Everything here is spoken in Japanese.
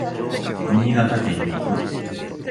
新潟県に行く。